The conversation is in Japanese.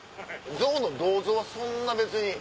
象の銅像はそんな別に。